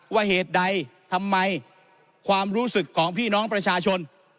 เหตุใดทำไมความรู้สึกของพี่น้องประชาชน